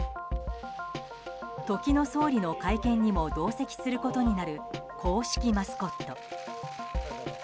時の総理の会見にも同席することになる公式マスコット。